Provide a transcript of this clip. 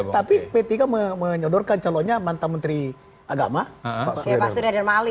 tapi pt kan menyodorkan calonnya mantan menteri agama pak sudirah dan mali